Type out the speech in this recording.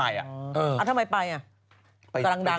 อ้าวทำไมไปอ่ะ